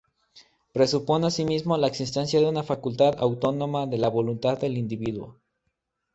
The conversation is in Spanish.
Presupone así mismo la existencia de una facultad autónoma de la voluntad del individuo.